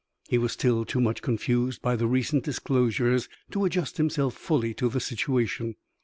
He was still too much confused by the recent disclosures to adjust himself fully to the situation.